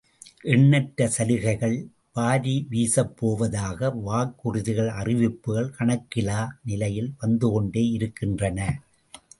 எண்ணற்ற சலுகைகள் வாரி வீசப் போவதாக வாக்குறுதிகள் அறிவிப்புகள் கணக்கிலா நிலையில் வந்துகொண்டே இருக்கின்றன.